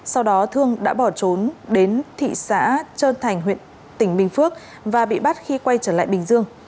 sau đó thương đã bỏ trốn đến thị xã trơn thành huyện tỉnh bình phước và bị bắt khi quay trở lại bình dương